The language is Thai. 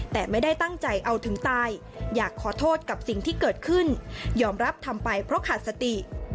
แต่ไม่ได้ตั้งใจเอาถึงตายอยากขอโทษกับสิ่งที่เกิดขึ้นยอมรับทำไปเพราะขาดสติ